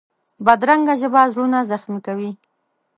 بدرنګه ژبه زړونه زخمي کوي